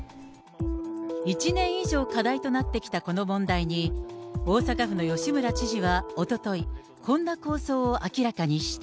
１年以上、課題となってきたこの問題に、大阪府の吉村知事はおととい、こんな構想を明らかにした。